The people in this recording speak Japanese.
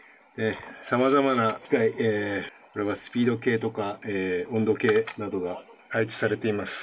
さまざまな機械、これはスピード計とか、温度計などが配置されています。